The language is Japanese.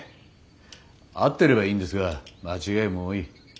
合ってればいいんですが間違いも多い。